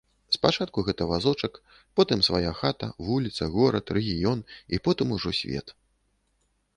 Спачатку гэта вазочак, потым свая хата, вуліца, горад, рэгіён і потым ужо свет.